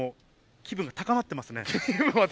気分は高まってますね。